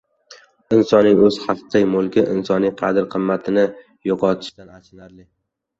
Insonning o‘z haqiqiy mulki — insoniy qadr-qimmatini yo‘qotishi achinarlidir.